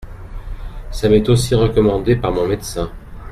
Ça m’est aussi recommandé par mon médecin.